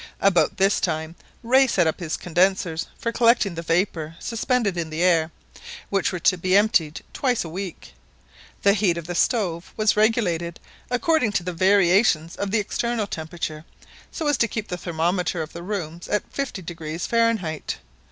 About this time, Rae set up his condensers for collecting the vapour suspended in the air, which were to be emptied twice a week. The heat of the stove was regulated according to the variations of the external temperature, so as to keep the thermometer of the rooms at 50° Fahrenheit.